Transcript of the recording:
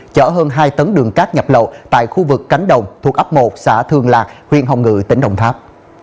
chở hơn hai tấn đường cát nhập lậu tại khu vực cánh đồng thuộc ấp một xã thương lạc huyện hồng ngự tỉnh đồng tháp